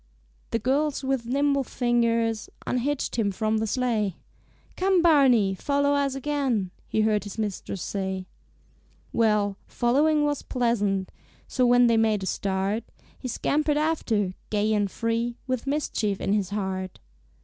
The girls with nimble fingers Unhitched him from the sleigh; "Come, Barney! Follow us again," He heard his mistress say. Well, following was pleasant, So, when they made a start, He scampered after, gay and free, With mischief in his heart.